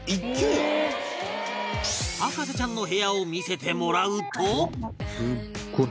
博士ちゃんの部屋を見せてもらうと